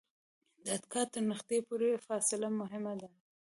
د اتکا تر نقطې پورې فاصله مهمه ده.